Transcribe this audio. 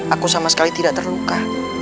aku sama sekali tidak terluka